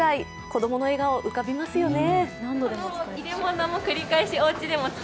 子供の笑顔、浮かびますよね。